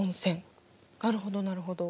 なるほどなるほど。